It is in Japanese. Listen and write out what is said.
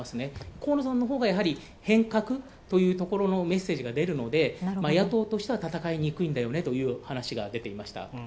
河野さんのほうはやはり変革というところのメッセージが出るので野党としては戦いにくいんだよねという話が出ていました。